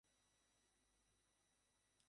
Madrid এই প্রতিযোগিতার group পর্বে করেছে।